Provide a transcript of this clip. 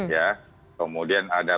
ya kemudian ada